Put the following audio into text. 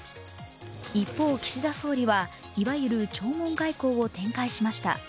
一方、岸田総理はいわゆる弔問外交を展開しました。